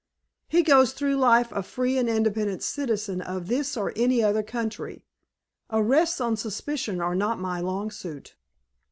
"He goes through life a free and independent citizen of this or any other country. Arrests on suspicion are not my long suit."